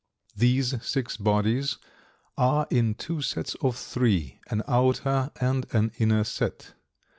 These six bodies are in two sets of three an outer and an inner set.